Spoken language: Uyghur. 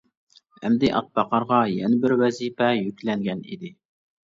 ئەمدى ئات باقارغا يەنە بىر ۋەزىپە يۈكلەنگەن ئىدى.